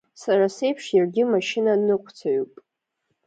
Сара сеиԥш иаргьы машьынаныҟәцаҩуп.